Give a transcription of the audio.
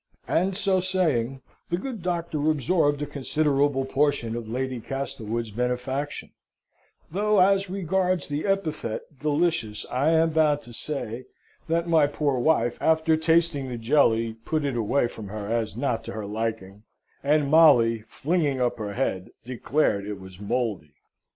And so saying, the good Doctor absorbed a considerable portion of Lady Castlewood's benefaction; though as regards the epithet delicious I am bound to say, that my poor wife, after tasting the jelly, put it away from her as not to her liking; and Molly, flinging up her head, declared it was mouldy.